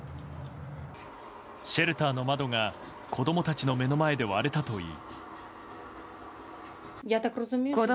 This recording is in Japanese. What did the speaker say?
シェルターの窓が子供たちの前で割れたといい。